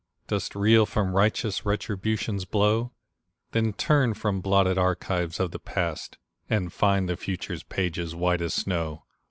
Dost reel from righteous Retribution's blow? Then turn from blotted archives of the past, And find the future's pages white as snow.